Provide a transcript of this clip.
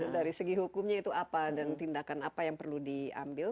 dari segi hukumnya itu apa dan tindakan apa yang perlu diambil